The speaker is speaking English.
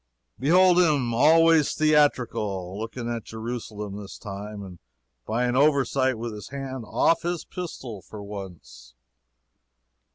Behold him always theatrical looking at Jerusalem this time, by an oversight, with his hand off his pistol for once.